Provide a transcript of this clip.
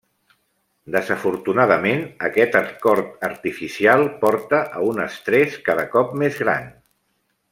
Desafortunadament, aquest acord artificial porta a un estrès cada cop més gran.